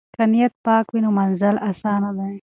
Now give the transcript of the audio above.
که نیت پاک وي نو منزل اسانه دی.